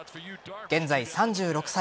現在３６歳。